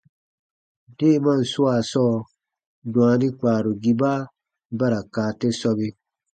Deemaan swaa sɔɔ, dwaani kpaarugiba ba ra kaa te sɔbe.